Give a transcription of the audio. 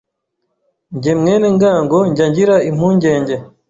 Jye Mwenengango njya ngira impungenge